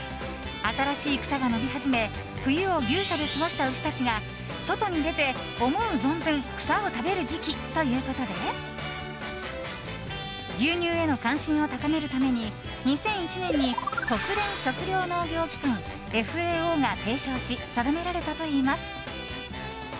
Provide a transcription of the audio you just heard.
新しい草が飲み始め冬を牛舎で過ごした牛たちが外に出て、思う存分草を食べる時期ということで牛乳への関心を高めるために２００１年に国連食糧農業機関・ＦＡＯが提唱し、定められたといいます。